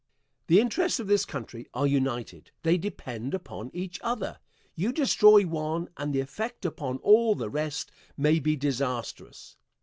The interests of this country are united; they depend upon each other. You destroy one and the effect upon all the rest may be disastrous.